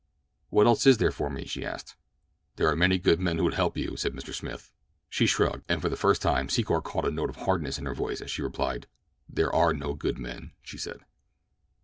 "What else is there for me?" she asked. "There are many good men who would help you," said Mr. Smith. She shrugged, and for the first time Secor caught a note of hardness in her voice as she replied. "There are no good men," she said.